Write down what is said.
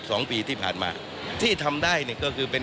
กรณีนี้ทางด้านของประธานกรกฎาได้ออกมาพูดแล้ว